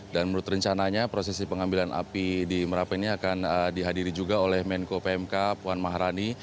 dan menurut rencananya prosesi pengambilan api di merapen ini akan dihadiri juga oleh menko pmk puan maharani